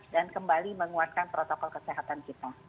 dan kembali menguatkan protokol kesehatan kita